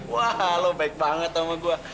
wah lo baik banget sama gue